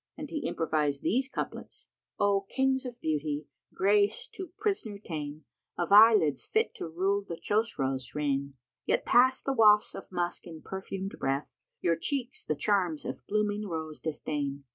And he improvised these couplets, "O Kings of beauty, grace to prisoner ta'en * Of eyelids fit to rule the Chosroës' reign: Ye pass the wafts of musk in perfumed breath; * Your cheeks the charms of blooming rose disdain.